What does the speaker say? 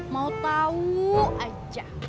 mau tau aja